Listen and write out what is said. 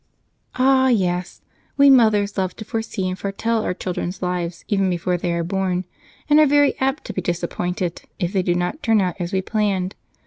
"Ah, yes! We mothers love to foresee and foretell our children's lives even before they are born, and are very apt to be disappointed if they do not turn out as we planned.